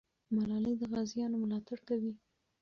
ملالۍ د غازیانو ملاتړ کوي.